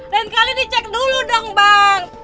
kali dicek dulu dong bang